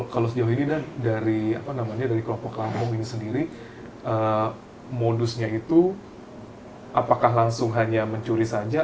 kalau sejauh ini dari kelompok lampung ini sendiri modusnya itu apakah langsung hanya mencuri saja